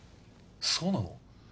そうなの？